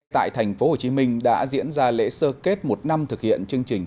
tại thành phố hồ chí minh đã diễn ra lễ sơ kết một năm thực hiện chương trình